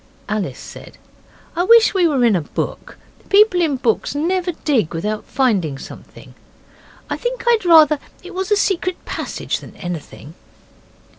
Alice said, 'I wish we were in a book. People in books never dig without finding something. I think I'd rather it was a secret passage than anything.